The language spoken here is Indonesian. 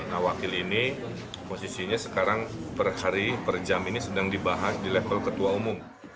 nah wakil ini posisinya sekarang per hari per jam ini sedang dibahas di level ketua umum